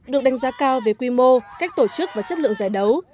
được đánh giá cao về quy mô cách tổ chức và chất lượng giải đấu